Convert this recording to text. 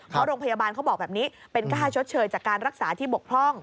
เพราะโรงพยาบาลเขาบอกแบบนี้เป็นค่าชดเชยจากการรักษาที่บกพร่อง